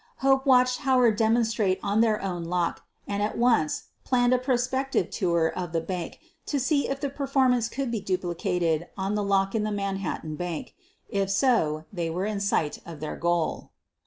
Hope watched Howard demonstrate on their own lock and at once planned a prospective tour of the bank to see if the performance could be duplicated on the lock in the Manhattan Bank. If so, they were in sight of their goal.